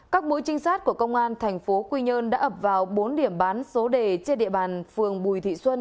các mũi trinh sát của công an thành phố quy nhơn đã ập vào bốn điểm bán số đề trên địa bàn phường bùi thị xuân